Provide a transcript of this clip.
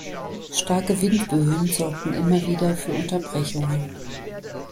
Starke Windböen sorgten immer wieder für Unterbrechungen.